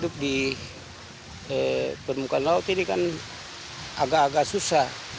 pemukaan laut ini kan agak agak susah